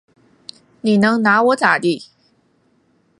你能拿我咋地？